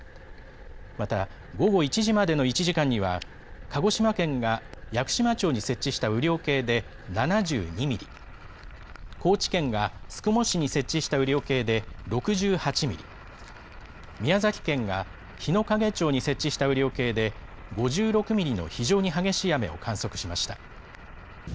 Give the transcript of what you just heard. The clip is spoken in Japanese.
また、午後１時までの１時間には、鹿児島県が屋久島町に設置した雨量計で７２ミリ、高知県が宿毛市に設置した雨量計で６８ミリ、宮崎県が日之影町に設置した雨量計で５６ミリの非常に激しい雨を観測しました。